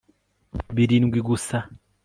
birindwi gusa